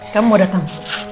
kamu mau datang